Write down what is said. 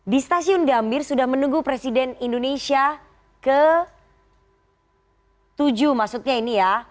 di stasiun gambir sudah menunggu presiden indonesia ke tujuh maksudnya ini ya